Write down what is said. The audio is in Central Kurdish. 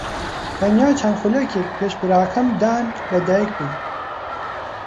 تەنیا چەند خولەکێک پێش براکەم دان لەدایکبووم.